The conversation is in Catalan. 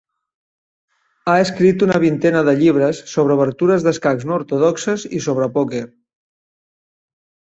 Ha escrit una vintena de llibres sobre obertures d'escacs no ortodoxes i sobre pòquer.